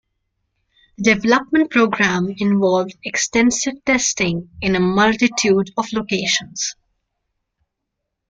The development programme involved extensive testing in a multitude of locations.